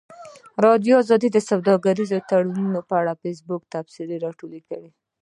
ازادي راډیو د سوداګریز تړونونه په اړه د فیسبوک تبصرې راټولې کړي.